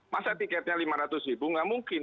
masa tiketnya rp lima ratus nggak mungkin